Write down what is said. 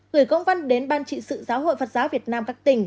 gửi công văn đến ban trị sự giáo hội phật giáo việt nam các tỉnh